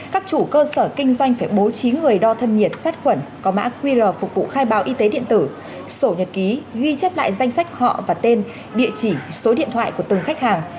các chủ cơ sở kinh doanh phải bố trí người đo thân nhiệt sát khuẩn có mã qr phục vụ khai báo y tế điện tử sổ nhật ký ghi chép lại danh sách họ và tên địa chỉ số điện thoại của từng khách hàng